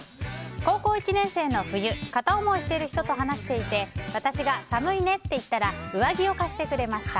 高校１年生の冬片思いしている人と話していて私が寒いねって言ったら上着を貸してくれました。